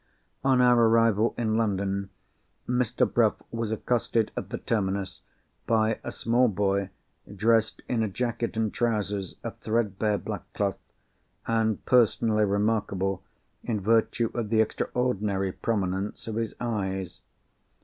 On our arrival in London, Mr. Bruff was accosted at the terminus by a small boy, dressed in a jacket and trousers of threadbare black cloth, and personally remarkable in virtue of the extraordinary prominence of his eyes.